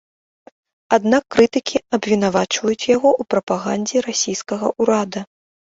Аднак крытыкі абвінавачваюць яго ў прапагандзе расійскага ўрада.